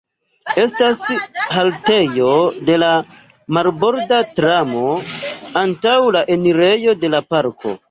Estas haltejo de la marborda tramo antaŭ la enirejo de la parko.